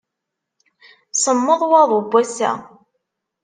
Semmeḍ waḍu n wass-a.